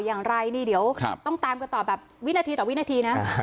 อย่างไรนี่เดี๋ยวต้องตามกันต่อแบบวินาทีต่อวินาทีนะ